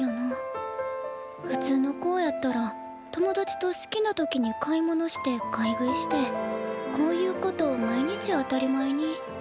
ふつうの子ぉやったら友達と好きな時に買い物して買い食いしてこうゆうことを毎日当たり前に。